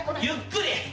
ゆっくり。